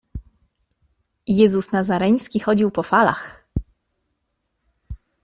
Jezus Nazareński chodził po falach.